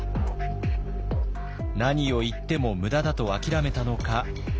何を言っても無駄だと諦めたのか。